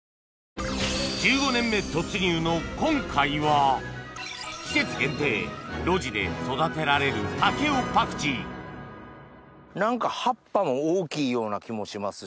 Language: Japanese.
１５年目突入の今回は季節限定露地で育てられるたけおパクチー何か葉っぱも大きいような気もしますし。